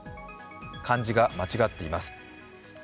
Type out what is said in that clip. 漢字が間違っています。